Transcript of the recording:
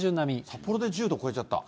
札幌で１０度超えちゃった。